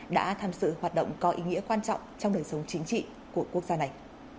đã tham sự hoạt động có ý nghĩa quan trọng trong đời sống chính trị của quốc gia này